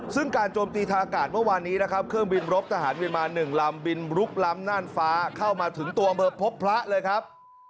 ซึ่งการโจมตีทางอากาศเมื่อวานนี้นะครับเครื่องบินรบทหารเมียนมา๑ลำบินลุกล้ำน่านฟ้าเข้ามาถึงตัวอำเภอพบพระเลยครับ